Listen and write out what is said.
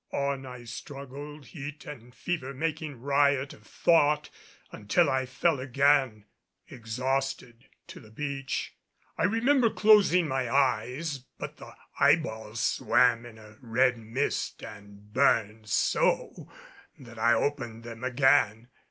On I struggled, heat and fever making riot of thought, until I fell again exhausted to the beach. I remember closing my eyes, but the eyeballs swam in a red mist and burned so that I opened them again.